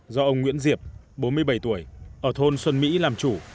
do ông nguyễn diệp bốn mươi bảy tuổi ở thôn xuân mỹ làm chủ